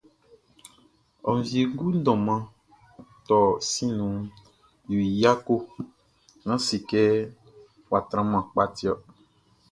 Ô Wiégoun Mʼdôman Torh Siʼn nouh, yo y yako...Nan sékê, wa tranman pka tiorh.